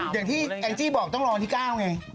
อย่างที่แองจี้บอกต้องรอวันที่๙ไง